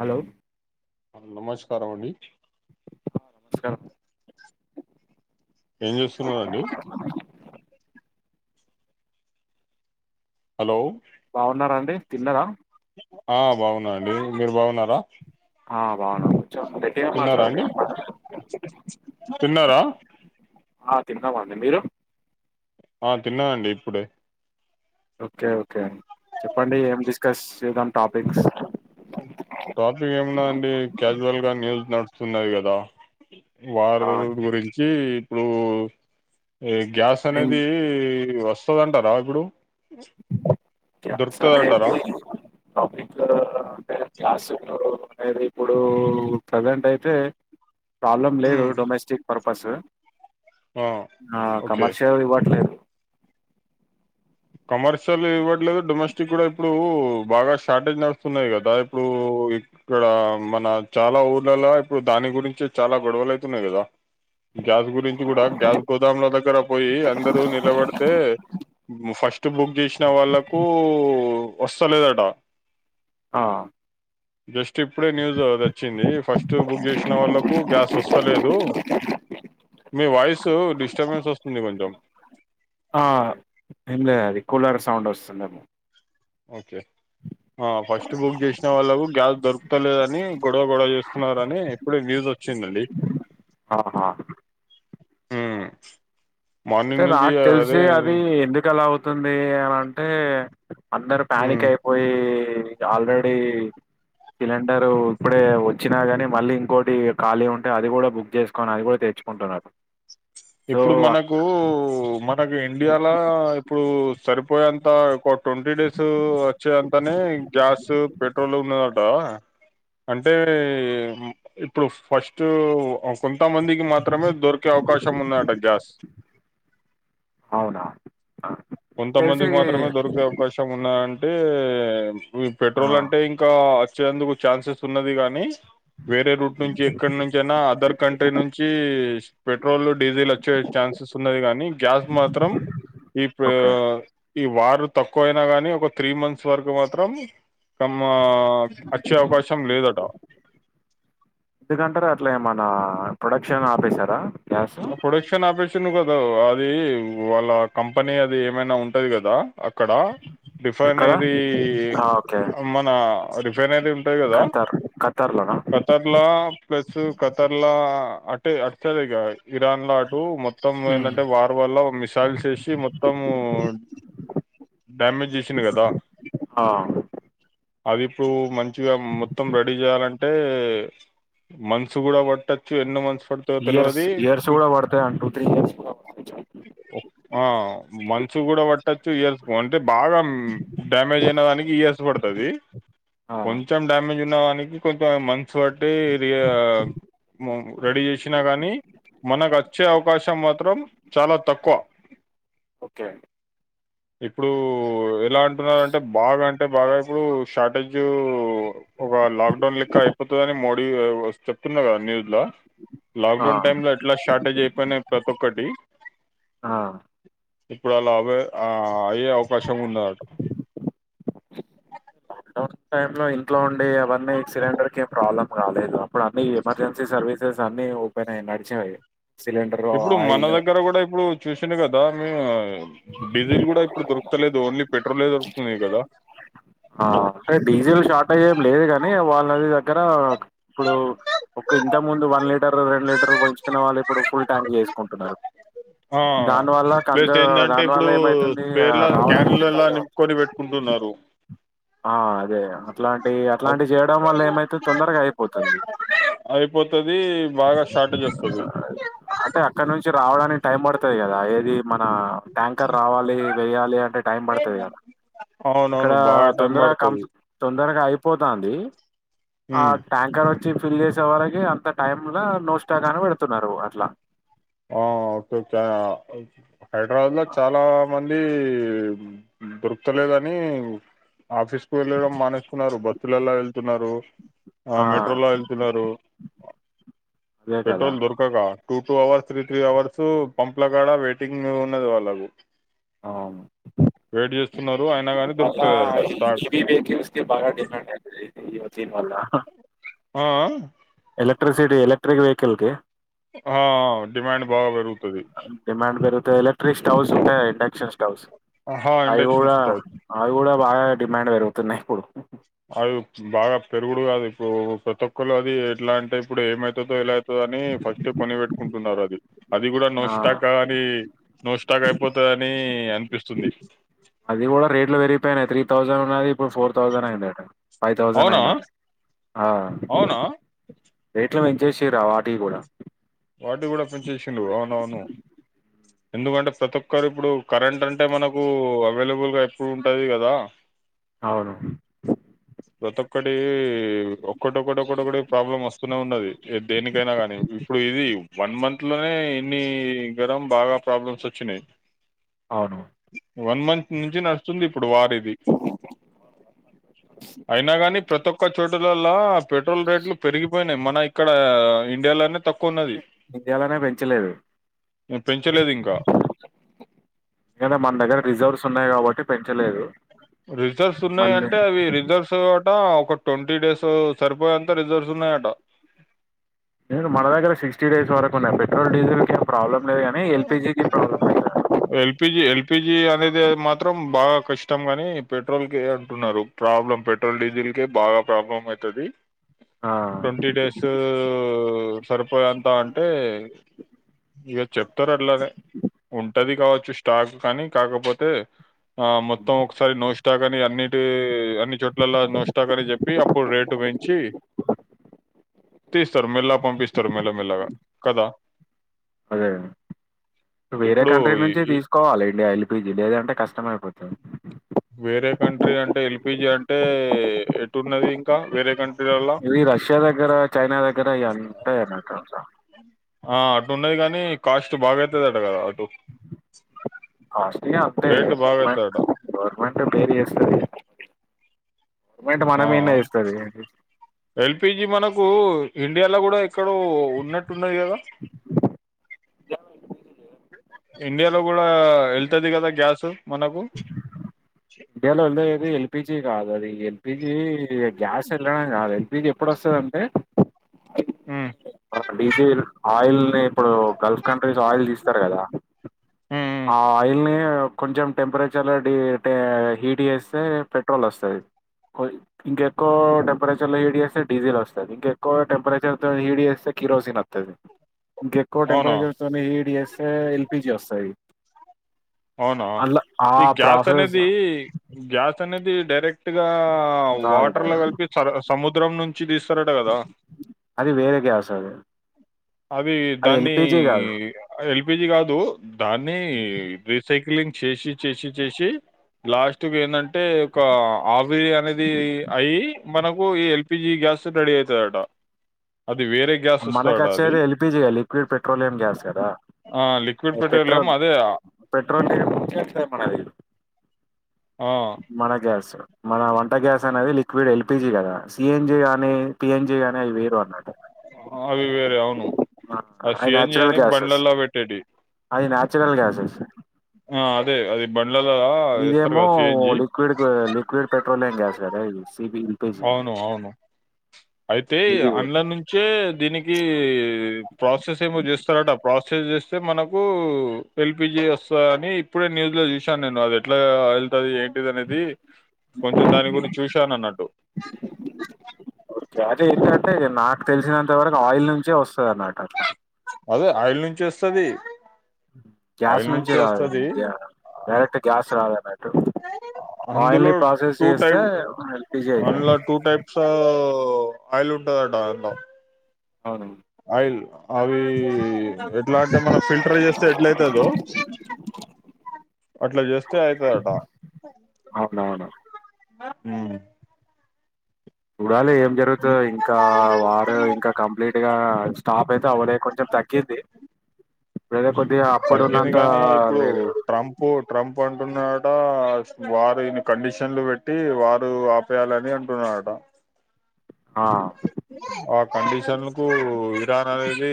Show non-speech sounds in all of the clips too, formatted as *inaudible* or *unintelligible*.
Hello నమస్కారం అండి నమ ఏం చేస్తున్నారండి హలో బాగున్నారా అండి తిన్నరా ఆ బాగున్నామండి మీరు బాగున్నారా ఆ బాగున్న అండీ గట్టిగా తిన్నారా మాట్లాడండి అండి తిన్నారా ఆ తిన్నా మండి మీరు ఆ తిన్నా నండి ఇప్పుడే ఓకే ఓకే చెప్పండి ఏమి డిస్కస్ చేద్దాం టాపిక్స్ టాపిక్ ఏమున్నాయి క్యాజువల్ గా న్యూస్ నడుస్తున్నది కదా వార్ ఆ రూమ్ గురించి ఉమ్ ఈ గ్యాస్ నేను అనేది వస్తు వస్తుందంటారా ఇప్పుడు గ్యాస్ దొరుకుతదంటారా అనేది పబ్లిక్ అంటే గ్యాస్ అయితే ఇప్పుడు ప్రజెంట్ అయితే ప్రాబ్లం లేదు ఉమ్, డొమెస్టిక్ పర్ పస్ ఆ ఆ ఓకే కమర్షియల్ ఇవ్వట్లేదు కమర్షియల్ ఇవ్వట్లేదు డొమె కూడా ఇప్పుడు బాగా షార్టేజ్ వస్తున్నాయి కదా ఇప్పుడు ఇక్కడ మన చాలా ఊర్లలో ఇప్పుడు దాని గురించి చాలా గొడవలై తున్నాయి కదా గ్యాస్ గురించి కూడా గ్యాస్ గోదాంల దగ్గర పోయి అందరూ నిలబడితే ఫస్ట్ బుక్ చేసిన వాళ్ళకు వస్తలేదట ఆ జస్ట్ ఫస్ట్ ఇప్పుడే న్యూస్ తెచ్చింది ఫస్ట్ బుక్ చేసిన వాళ్ళకు గ్యాస్ వస్తలేదు మీ వాయిస్ డిస్టర్బెన్స్ వస్తుంది కొంచెం ఆ ఏం లేదు అది కూలర్ సౌండ్ వస్తుందేమో ఓకే ఫస్ట్ బుక్ చేసిన వాళ్ళకు గ్యాస్ దొరుకుతలేదని గొడవ గొడవ చేస్తున్నని ఎప్పుడే వ్యూస్ వచ్చిందండి ఆహా ఊ అయితే నాకు తెలిసి అది ఎందుకు అలా అవుతు అతుంది అని అంటే అందరు ప్యానిక్ ఉమ్ అయిపోయి ఆల్రెడీ సిలిండర్ ఇప్పుడే వచ్చినా ని మళ్ళీ ఇంకోటి ఖాళీ ఉంటే అది కూడా బుక్ చేసుకని అది కూడా తెచ్చుకుంటున్నారు సో ఇప్పుడు మనకు ఉ మనకి ఇండియాలో ఇప్పుడు సరిపోయేంత ట్వంటీ డేస్ వచ్చే అంతనే గ్యాస్ పెట్రోల్ ఉన్నదట అంటే ఇప్పుడు ఫస్ట్ కొంతమందికి మాత్రమే దొరికే అవకాశం ఉన్నాట గ్యాస్ అవునా కొంతమందికి తెలిసి మాత్రమే దొరికే అవకాశం ఉన్నా టే యే ఈ ఆ పెట్రోల్ అంటే ఇంకా వచ్చేందుకు ఛాన్సెస్ ఉన్నది గాని వేరే రూట్ నుంచి ఎక్కడ నుంచి అయినా అదర్ కంట్రీ నుంచి పెట్రోల్ డిజిల్లా చ్చ ఛాన్సెస్ ఉన్నది కానీ గ్యాస్ మాత్రం ఇం ఓకే ఈ వారు తక్కువ అయినా గానీ ఒక త్రీ మంత్స్ వరకు మాత్రం కమ్మా వచ్చే అవకాశం లేదట నా ప్రొడక్షన్ ఆఫీసరా ప్రొడక్షన్ ఆఫీసర్ వచ్చను కదా అది వాళ్ళ కంపెనీ అది ఏమైనా ఉంటది కదా అక్కడ ఎక్కడ రిఫైనరీ ఆ, ఓకే మన రిఫైనరీ ఉంటది కదా ఖతార్ ఖతార్ లోనా ఖతర్లా ప్లస్ ఖతర్లా అంటే అదిగా ఇరాన్ లాకు అటు మొత్తం మ్మ్. ఏంటంటే వారు వల్ల మిసైల్స్ చేసి మొత్తము ఉ డ్యామేజ్ చేసింది కదా ఆ అవి ఇప్పుడు మంచి మగా మొత్తం రెడీ చేయాలంటే అంటే మంత్స్ కూడా పట్టొచ్చు ఎన్నో మనుసు పడుతు తెలివది చూడ పడుత అంటూ త్రీ ఇ ఆ మన్సు కూడా ఒక టచ్బ ఇయర్స్ బాగా డా మే జ్ అయిందని ఇయర్స్ పడ్తది ఆ, కొంచెం డామేజ్ తన్ననికి కొంచెం మంత్స్ బట్టి ర రెడీ చేసినా గానీ మనకు వచ్చే అవకాశం మాత్రం చాలా తక్కువ ఓకే అండి ఇప్పుడు ఎలా అంటున్నారు అంటే బాగా అంటే బాగా ఇప్పుడు షార్టేజ్ ఒక లాక్డౌన్ లెక్క అయిపోతుందని మోడీ చెప్తున్నారు కదా న్యూస్ లో ఆ లాక్డౌన్ టైమ్ లో షార్టెజ్ ఏయిప్ప ప్రతో కటి ఆ ఇప్పుడు అలా అవే ఆ అయే అవకాశం ఉందట టైం లో ఇంట్లో ఉ అ ఎవన్న సిరెండర్ క ప్రాబ్లమ్ రాలేదు అప్పుడు అన్నీ ఎమర్జెన్సీ సర్వీసెస్ అన్ని ఓపెన్ అయ్యి నడిచినాయి సిలిండర్ ఇప్పుడు మన ఆయిల్ దగ్గర కూడా ఇప్పుడు చూసింది కదా *unintelligible* డీజిల్ కూడా ఇప్పుడు దొరుక్ తలేదు ఒన్లీ పె పెట్రోలే దొరుకుతుంది కదా ఆ డీజిల్ షార్టేజ్ ఏమి లేదు గాని వాళ్ అది దగ్గర ఇప్పుడు ఒక ఇంత ముందు వన్ లీటర్ రెండు లీటర్ పోయించుకునే వాళ్ళు ఇప్పుడు ఫుల్ ట్యాంక్ చేయిస్కుంటున్నారు ఆ ప్లెస్ ఏందంటే దాని ఇప్పుడు వల్ల ఏమైతుంది ఆ, స్పేర్ల క్యాన్ రావడానికి లల్లా ఇబ్బంది పడుతుంది నింపుకొని పెట్టుకుంటున్నారు ఆ అదే అట్లాంటి అట్లాంటి ఒక్- చేయడం వల్లే ఏమైతే తొందరగా అయిపోతుంది అయిపోతది బాగా షార్టేజ్ వస్తది అంటే అక్కడ నుంచి రావడానికి టైం పడుతుంది కదా ఏది మన ట్యాంకర్ రావాలి వెయ్యాలి అంటే టైం పడుతది కదా అవునవును ఇక్కడా బాగా టైం తొందరగా పడుతది కంప్ తొందరగా అయి పోతాంది ఆ ట్యాంకర్ వచ్చ వచ్చి ఫిల్ చేసే వరకి అంత టైమ్ల నో స్టాక్ అని పెడుతున్నారు అట్లా ఆ ఒక్కేక్కే హైదరాబాద్ లో చాలా మంది దొరుకతలేదని ఆఫీస్ కు వెళ్ళడం మానేస్తున్నారు బస్సులల్లా వెళ్తున్నారు ఆ మెట్రోలో వెళ్తున్నారు అదే కదా పెట్రోల్ దొరుక గా two two hour three three hours pump ల కాడ వెయిటింగ్ ఉన్నది వాళ్ళకు అ వెయిట్ చేస్తున్నారు అయినా కానీ దొరుకుతలేదట అయిన స్టాక్ ఈవి వెహికల్స్కే బాగా డిమాండ్ అండి దీపాళ్ల ఆ ఆ ఎలక్ట్రిసిటీ ఎలక్ట్రిక్ వెహికల్కి ఆ డిమాండ్ బాగా పెరుగుతది త్రీ స్టౌస్ ఉంటే ఇండక్షన్ స్టౌస్ ఆహా ఇండక్షన్ అయిగుడా స్టవ్ అవిగూడ బాగా డిమాండ్ పెరుగుతున్నాయిప్పుడు అవి బాగా పెరుగుడు కాదు ఇప్పుడు ప్రతి ఒక్కళ్ళు అది ఎట్లా అంటే ఇప్పుడు ఏమవుతదో ఎలా అయితొ అని ఫస్ట్ కొనిపెట్టుకుంటున్నారు అది అది కూడా ఆ నొస్టాక్ అని నో స్టాక్ అయిపోతుందిని అనిపిస్తుంది అది కూడా రేట్ లో వెరగిపోయినాయి త్రీ థౌసండ్ ఉన్నది ఇప్పుడు ఫోర్ థౌసండ్ అయిందిట ఫైవ్ థౌజండ్ అవునా నైన్ హండ్రెడ్ అవునా రట్ల విజయశ్రీరావు వాటివి కూడా వాటి కూడా పెంచేసిండు అవునవును ఎందుకంటే ప్రతి ఒక్కరు ఇప్పుడు కరెంట్ అంటే మనకు అవైలబుల్గా ఎప్పుడు ఉంటుది కదా అవును ప్రతి ఒక్కటి ఒక్కటొక్కటిొక్కటొ ఒకటి ప్రాబ్లమ్ వస్తూనే ఉన్నది దేనికైనా కాగానీ వన్ మంత్లోనే ఇన్ని గరం బాగా ప్రాబ్లమ్స్ వచ్చినాయి అవును వన్ మంతంత్ నుంచి నడుస్తుంది ఇప్పుడు వారి ఇది అయినా కాని ప్రతి ఒక్క చోటులలా పెట్రోల్ రేట్లు పెరిగిపోయినాయి మన ఇక్కడ ఇండియాలోనే తక్కువ ఉన్నది ఇండిలానే పెంచలేదు ఇంకా పెంచలేదుదా మన దగ్గర రిజర్వ్స్ ఉన్నాయి కాబట్టి పెంచలేదు రిజర్వస్ ఉన్నాయి మళ్ళీ అంటే అవి రిజర్వస్ అ ఒక ట్వంటీ డేస్ సరిపోయంత రిజర్ట్స్ ఉన్నాయట నేనున దగ్గర సిక్స్టీ డేస్ వరకు ఉన్నాయి పెట్రోల్ డీజిల్కి ఏ ప్రాబ్లమ్ ఎల్పిజి ఎల్పిజి అనేది మాత్రం బాగా కష్టం గాని పెట్రోల్ కే అంటున్నారు ప్రాబ్లం పెట్రోల్ డీజిల్ కే బాగా ప్రాబ్లం అవుతది ఆ ట్వంట డేస్ సరిపో అంతా అంటే చెప్తారు అట్లానే ఉంటది కావచ్చు స్టాక్ కానీ కాకపోతే ఆ మొత్తం ఒకసారి నో స్తా కాని అన్నిటి అన్ని చుట్ట ఇలలా నోస్తాకని చెప్పి ఇప్పుడు రేటు పెంచి తీస్తారు మెల్లగా పంపిస్తారు మెల్లమెెల్లగా కదా అదే వేరే ఇప్పుడు కంట్రీ నుంచి ఈ- ఈ తీసుకోవాలి ఇండియా ఎల్పిజీ లేదంటే కష్టమైపోతుంది వేరే కంట్రీ అంటే ఎల్పిజీ అంటే ఎటున్నది ఇంకా వేరే కంట్రీ ఇవి రష్యా దగ్గర చైనా దగ్గర ఇ ఉంటాయిన్న ఆ అటున్నది కాని కాస్ట్ బాగావుతుదిట కదా అటు అస్ట్లుగా అంతే రేటు బాగా గవర్నమెంట్ అయితదట గవర్నమెంట్ బేర ఎస్తది ఆ ఎల్పిజి మనకు ఇండియాలో కూడా ఎక్కడో ఉన్నట్టున్నది కదా ఇ వెళ్తుది కదా గ్యాస్ మనకు ఇయ్యాల లొల్లి అయింది పిజి కాదు అది ఈ ఎల్పిజి గ్యాస్ ఎల్నే నా గాల్ అది మీది ఎప్పుడోస్తాదంటే హ్మ్మ్ డీజిల్ ఆయిల్ ని ఇప్పుడు గల్ఫ్ కంట్రీస్ ఆయిల్ తీస్తారు గదా ఉమ్ ఆ ఆయిల్ ని కొంచెం టెంపరేచర్లో డీల్ టే హిట్ చేస్తే పెట్రోల్ వస్తది, కో ఇంకే ఎక్కువ టెంపరేచర్ లో హిట్ చేస్తే డీజిల్ వస్తది, ఇంకెక్కువ టెంపరేచర్ తో హీట్ చేస్తే. స కిరోసిన్ వత్తది ఇంకేక్కువ అవునా టెంపరేచర్ తోని హిట్ చేస్తే ఎల్పిజి వస్తా తై అవునా ఈ గ్యాచ్ ప్రాసెస్ అనేది గ్యాచ్ అనేది డైరెక్ట్ గా రాదు వాటర్ లో కదా, కలిపి సము దూరం ను చి తీస్తారంట గదా అది వేరే గ్యాస్ అది అవి అది దాన్ని ఎల్పిజీ కాదు ఎ ల్పి పిజీ గాదు దాన్ని సైకిలింగ్ చేసి చేసి చేసి లాస్ట్గా ఏంటంటే ఒక ఆవిరి అనేది అయి మనకు ఈ ఎల్పిజి గ్యాస్ రెడీ అయితది అట మనక వచ్చేది ఎల్పిజిగా లిక్విడ్ పెట్రోలియం గ్యాస్ కదా ఆ! లిక్విడ్ పెట్రోలియం పెట్రోల్ అదే పెట్రో రో మనది ఆ! మన గ్యాసు మన వంట గ్యాస్ అనేది లిక్విడ్ ఎల్పిజి కదా సిఎన్జి గానీ పిఎన్జి గాని అవి వేరు అనమాట అవి వేరే అవును ఆ అవి సిఎన్జి నాచురల్ అని గ్యాసెస్ బండ్లలా పెట్టేటి అది నాచురల్ గ్యాసెస్ ఆ అదే అది బండ్లల్లా ఎస్తారు ఇదేమో గదా! సీఎన్‌జీ లిక్విడ్ లిక్విడ్ పెట్ పెట్రోలియం గ్యాస్ గదా సిబి ఎల్పిజి అ అవును అవును అయితే అండ్లా నుంచే దీనికి ప్రాసెస్ ఏమో చేస్తారట ప్రాసెస్ చేస్తే మనకు ఎల్పిజి వస్తా అని ఇప్పుడే న్యూస్ లో చూసాను నేను అది ఎట్లా వెళ్తది ఏ అనేది కొంచెం దాని గురించి చూశాను అన్నట్టు ఛార్జ్ ఏంటంటే నాకు తెలిసినంత వరకు ఆయిల్ నుంచే వస్తది అన్నాట అట్లా అదే ఆయిల్ నుంచి వస్తాది గ్యాస్ నుంచి రాల డైరెక్ట్ గ్యాస్ రాదన్నట్టు ఆయిల్ అందులో ని ప్రాసెస్ టూ చేస్తే టైప్ ఎల్పిజీ అయితద్ ఓం ఆయిల్ ఉంటదంటా అందులో అవును ఆయిల్ అవి ఎట్లా అంటే మనం ఫిల్టర్ చేస్తే ఎట్ల అయితదో అట్లా చేస్తే అయితదటా. అవునవును హ్ చూడాలి ఏం జరుగుతదో ఇంకా వార్ ఇంకా కంప్లీట్ గా స్టాప్ అయితే అవలే కొంచెం తగ్గింది. ఇప్పుడైతే కొద్దిగా తగ్గింది అప్పుడున్నంత కానీ ఇప్పుడు లేదు ట్రంపు ట్రంప్ అం టుంన్నడటా వార్ ని కండిషన్లు పెట్టి వారు ఆపేయాలని అంటున్నడటా. ఆ ఆ కండిషన్ కు ఇరాన్ అనేది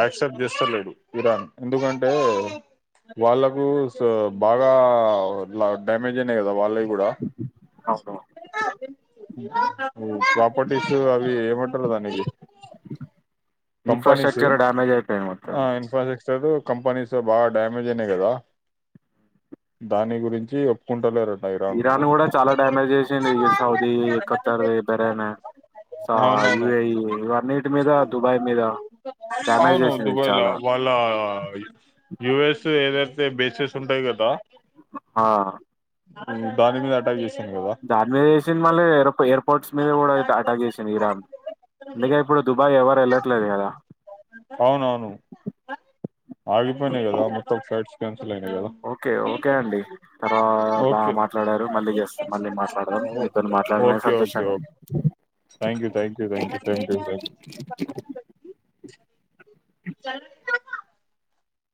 యాక్సెప్ట్ చేస్తలేడు ఇరాన్. ఎందుకంటే వాళ్ళకు సో బాగా ఇట్లా డ్యామేజ్ జ్ అయినయి కదా వాళ్ళవి కూడా అవును హ్ ప్రాప్ ఇన్ఫ్రాస్ట్రక్చరే డ్యామేజ్ అయిపోయింది మొత్తం. స్ట్రక్చరు కంపెనీస్ బాగా డ్యామేజ్ అయినయి కదా దాని గురించి ఒప్పుకుంటలేరు. ఇరాన్ కూడా చాలా డ్యామేజ్ చేసింది సౌదీ, కత్తర్ది, బెరన్, ఆ అవునవును యుఏఈ ఇవన్నిటి మీద దుబాయ్ మీద డ్యామేజ్ అవును చేసింది దుబాయ్లా చాలా వాళ్ళ యుయుఎస్ ఏదైతే బేసెస్ ఉంటయి కదా ఆ హ్ దాని మీద అటాక్ చేస్ దాని మీద వేసింది మళ్ళీ ఎ ఎయిర్పోర్ట్స్ మీద కూడా అటాక్ చేసింది ఇరాన్. అందుకే ఇప్పుడు దుబాయ్ ఎవరు ఎల అవునవును ఆగిపోయినయి కదా మొత్తం ప్ల *inaudible* ఓకే ఓకే *unintelligible* అండి తర్వా బాగా ఓకే మాట్లాడారు మళ్ళీ చేస్తా మళ్ళీ మాట్లాడదాం మీతో ఓకే మాట్లాడిన ఓకే ఒకే సంతోషంగా ఒ ఉంది. థ్యాంక్యూ థ్యాంక్యూ థ్యాంక్యూ థ్యాంక్యూ థ్యాం సరే అండి. *inaudible*